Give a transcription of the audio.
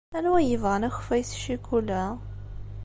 Anwa ay yebɣan akeffay s ccikula?